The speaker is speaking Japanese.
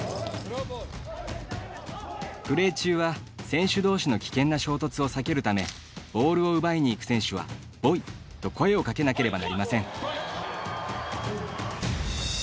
プレー中は、選手同士の危険な衝突を避けるためボールを奪いに行く選手は「ＶＯＹ！」と声を掛けなければなりません。